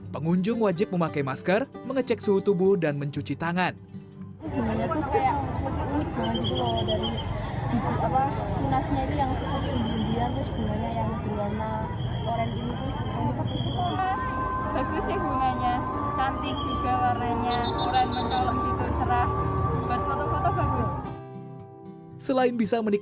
pengunjung wajib memakai masker mengecek suhu tubuh dan mencuci tangan